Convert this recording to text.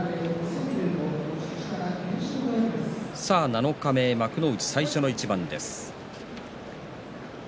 七日目、幕内最初の一番です。